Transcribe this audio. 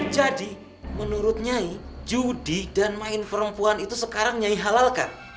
jadi menurut nyai judi dan main perempuan itu sekarang nyai halalkan